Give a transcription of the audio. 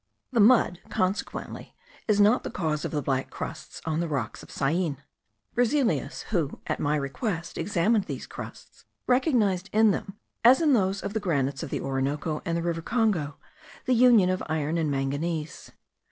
The mud consequently is not the cause of the black crusts on the rocks of Syene. Berzelius, who, at my request, examined these crusts, recognized in them, as in those of the granites of the Orinoco and River Congo, the union of iron and manganese.